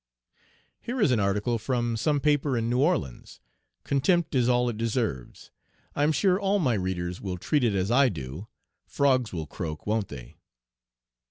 Here is an article from some paper in New Orleans. Contempt is all it deserves. I am sure all my readers will treat it as I do. Frogs will croak, won't they?